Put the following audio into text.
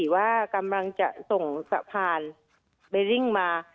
ว่ากำลังจะส่งสะพานเบดริ่งมา